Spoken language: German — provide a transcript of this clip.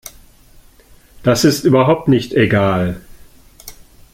Das ist überhaupt nicht egal.